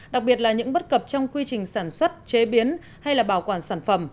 đặc biệt là những bất cập trong quy trình sản xuất chế biến hay là bảo quản sản phẩm